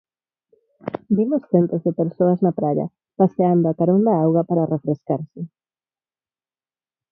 Vimos centos de persoas na praia, paseando a carón da auga para refrescarse.